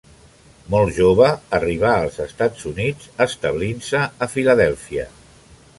Molt jove arribà als Estats Units, establint-se a Filadèlfia.